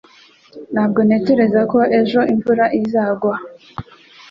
Ntabwo ntekereza ko ejo imvura izagwa